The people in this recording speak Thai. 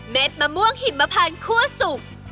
เม็ดมะม่วงหิมพรานคั่วสุก